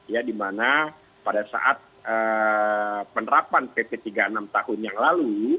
ya dimana pada saat penerapan pp tiga puluh enam tahun yang lalu